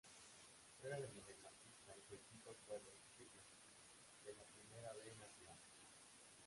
Juega de Mediocampista y su equipo actual es Quilmes, de la Primera B Nacional.